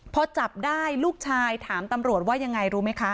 พอจับได้ลูกชายถามตำรวจว่ายังไงรู้ไหมคะ